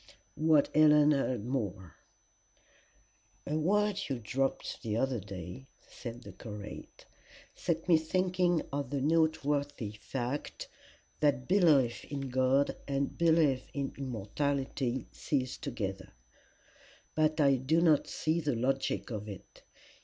WHAT HELEN HEARD MORE "A word you dropped the other day," said the curate, "set me thinking of the note worthy fact that belief in God and belief in immortality cease together. But I do not see the logic of it.